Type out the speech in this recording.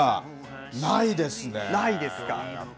ないですか。